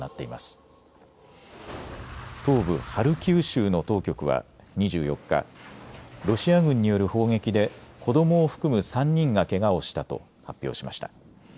ハルキウ州の当局は２４日、ロシア軍による砲撃で子どもを含む３人がけがをしたと発表しました。